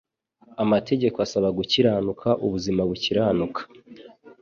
Amategeko asaba gukiranuka, ubuzima bukiranuka,